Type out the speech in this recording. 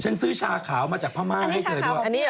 ฉันซื้อชาขาวมาจากภามาท์ให้เต๋อด้วย